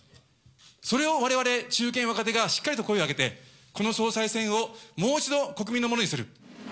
それをわれわれ中堅、若手がしっかりと声を上げて、この総裁選をもう一度国民のものにする。